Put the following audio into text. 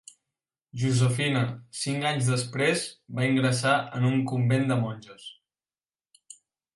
Josefina, cinc anys després, va ingressar en un convent de monges.